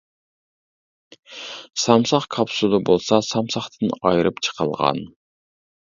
سامساق كاپسۇلى بولسا سامساقتىن ئايرىپ چىقىلغان.